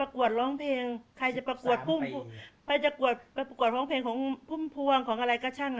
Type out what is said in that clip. เขาเป็นคนมุกเยอะ